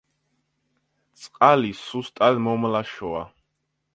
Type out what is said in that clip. წყალი სუსტად მომლაშოა.